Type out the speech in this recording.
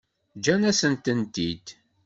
Ǧǧan-asent-tent-id.